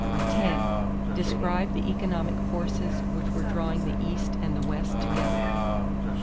10. Describe the economic forces which were drawing the East and the West together.